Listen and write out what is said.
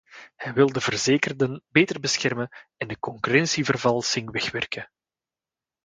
Hij wil de verzekerden beter beschermen en de concurrentievervalsing wegwerken.